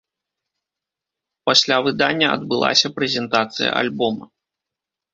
Пасля выдання адбылася прэзентацыя альбома.